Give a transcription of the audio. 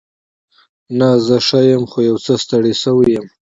نه، زه ښه یم. خو یو څه ستړې شوې یم.